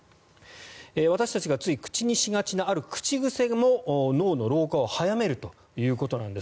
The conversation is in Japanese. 私たちがつい口にしがちな口癖も脳の老化を早めるということなんです。